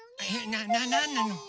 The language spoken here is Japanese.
なななんなの？